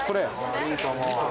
いいと思う。